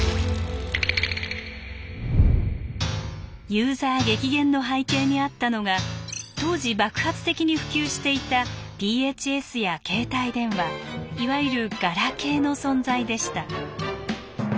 ユーザー激減の背景にあったのが当時爆発的に普及していたＰＨＳや携帯電話いわゆるガラケーの存在でした。